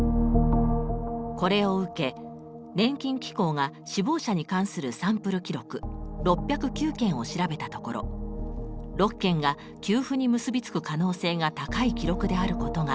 これを受け年金機構が死亡者に関するサンプル記録６０９件を調べたところ６件が給付に結びつく可能性が高い記録であることが判明しました。